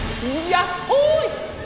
やっほい！